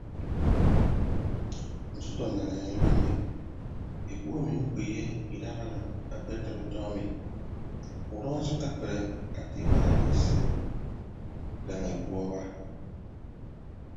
Nso utọ nnanenyen ido ami ekpu ami mkpiye idahado akpetịd utọ ami udọ asịkke akpere ate imaana ise daña ekpu aba.